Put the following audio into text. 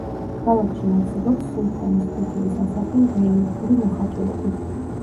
ქალაქში არსებობს სულთანის ყოფილი სასახლე რელიეფური მოხატულობით.